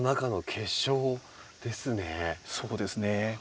そうですね。